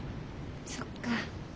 そっか。